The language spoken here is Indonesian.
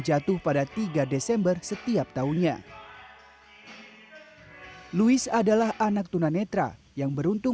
jatuh pada tiga desember setiap tahunnya louis adalah anak tunanetra yang beruntung